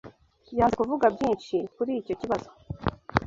Yanze kuvuga byinshi kuri icyo kibazo.